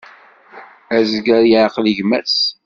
Azger yeɛqel gma-s.